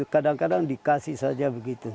kadang kadang dikasih saja begitu